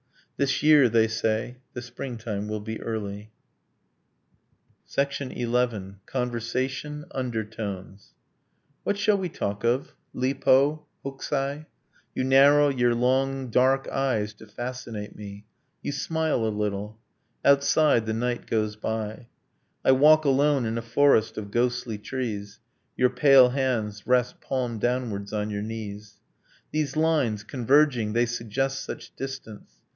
This year, they say, the springtime will be early. XI. CONVERSATION: UNDERTONES What shall we talk of? Li Po? Hokusai? You narrow your long dark eyes to fascinate me; You smile a little. ... Outside, the night goes by. I walk alone in a forest of ghostly trees ... Your pale hands rest palm downwards on your knees. 'These lines converging, they suggest such distance!